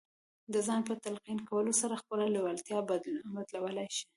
د ځان په تلقين کولو سره خپله لېوالتیا بدلولای شئ.